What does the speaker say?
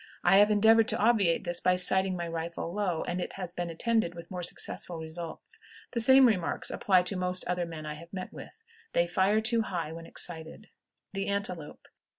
I have endeavored to obviate this by sighting my rifle low, and it has been attended with more successful results. The same remarks apply to most other men I have met with. They fire too high when excited. THE ANTELOPE.